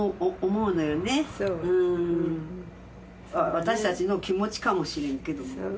私たちの気持ちかもしれんけども。